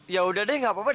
ya udah deh gak apa apa deh